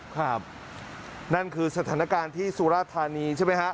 ครับนั่นคือสถานการณ์ที่สุราธานีใช่ไหมฮะ